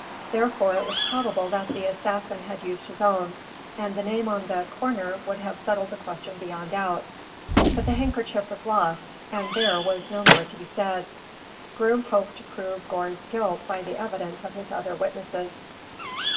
Therefore it was probable that the assassin had used his own, and the name on the corner would have settled the question beyond doubt. But the handkerchief was lost, and there was no more to be said. Groom hoped to prove Gore's guilt by the evidence of his other witnesses.